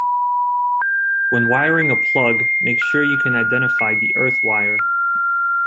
When wiring a plug, make sure you can identify the earth wire